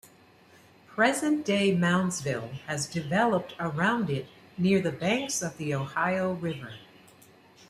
Present-day Moundsville has developed around it near the banks of the Ohio River.